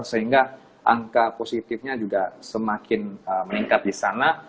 sehingga angka positifnya juga semakin meningkat disana